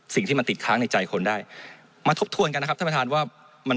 สิ่งที่มันติดค้างในใจคนได้มาทบทวนกันนะครับท่านประธานว่ามัน